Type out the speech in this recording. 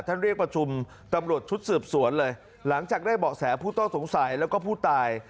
เรียกประชุมตำรวจชุดสืบสวนเลยหลังจากได้เบาะแสผู้ต้องสงสัยแล้วก็ผู้ตาย